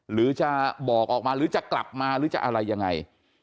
หรือจะบอกออกมาหรือจะกลับมาหรือจะอะไรยังไง